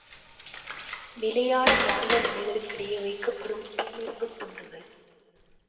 நிலையான காந்த முனைகளுக்கிடையே வைக்கப்படும் தேனிரும்புத் துண்டுகள்.